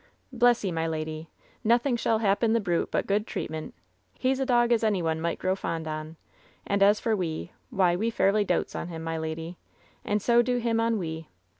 "Bless 'ee, my lady, nothing shall happen the brute but good treatment. He's a dog as any one might grow fond on; and as for we, why, we fairly dotes on him, my lady. And so do him on we.